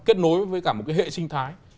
kết nối với cả một hệ sinh thái